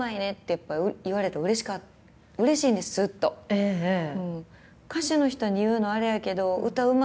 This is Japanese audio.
ええええ。